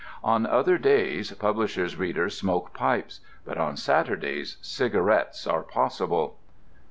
On other days publishers' readers smoke pipes, but on Saturdays cigarettes are possible.